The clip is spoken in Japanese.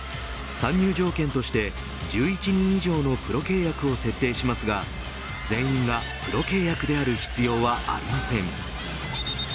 参入条件として１１人以上のプロ契約を設定しますが全員がプロ契約である必要はありません。